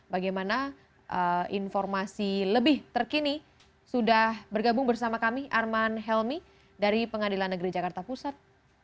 bagaimana informasi lebih terkini sudah bergabung bersama kami arman helmi dari pengadilan negeri jakarta pusat